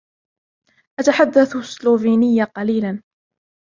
أتحدث السلوفينية قليلا.